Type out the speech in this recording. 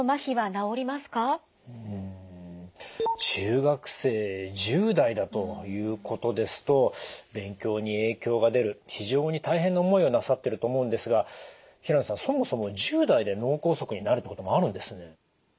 中学生１０代だということですと勉強に影響が出る非常に大変な思いをなさってると思うんですが平野さんそもそも１０代で脳梗塞になるってこともあるんですね。